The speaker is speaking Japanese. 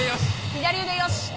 左腕よし。